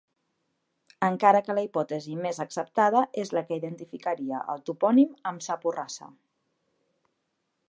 Encara que la hipòtesi més acceptada és la que identificaria el topònim amb sa Porrassa.